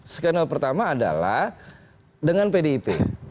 skenario pertama adalah dengan pdip